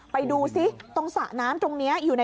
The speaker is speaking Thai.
ไปดูซิตรงสระน้ำตรงนี้อยู่ใน